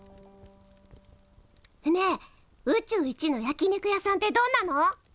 ねえ宇宙一の焼き肉屋さんってどんなの？